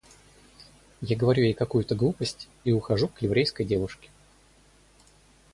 Я говорю ей какую-то глупость и ухожу к еврейской девушке.